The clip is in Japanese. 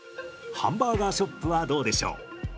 ハンバーガーショップはどうでしょう。